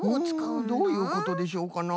うんどういうことでしょうかな？